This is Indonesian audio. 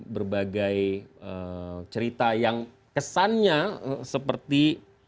berbagai cerita yang kesannya seperti